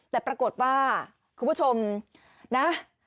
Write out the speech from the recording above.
แต่ปรากฏว่าคุณผู้ชมนะ